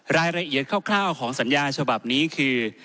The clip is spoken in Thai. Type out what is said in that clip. รายละเอียดคร่าวของสัญญาฉบับนี้คือ